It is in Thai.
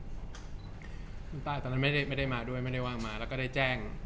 คุณป้าตอนนั้นไม่ได้มาด้วยไม่ได้ว่างมาแล้วก็ได้แจ้ง